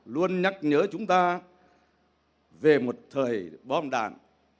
luôn nhắc nhớ chúng ta về một thời bom đạn